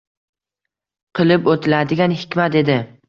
Qilib o’tiladigan hikmat edi.